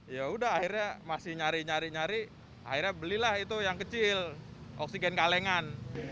ya udah akhirnya masih nyari nyari nyari akhirnya belilah itu yang kecil oksigen kalengan